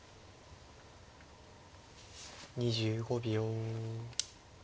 ２５秒。